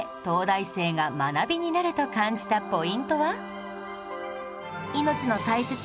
東大生が学びになると感じたポイントは？